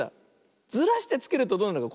ずらしてつけるとどうなるか。